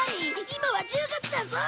今は１０月だぞ！？